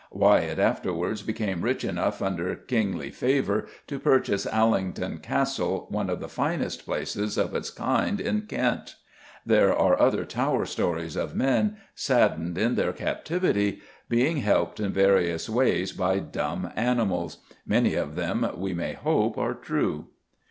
Wyatt afterwards became rich enough, under kingly favour, to purchase Allington Castle, one of the finest places of its kind in Kent. There are other Tower stories of men, saddened in their captivity, being helped in various ways by dumb animals. Many of them, we may hope, are true.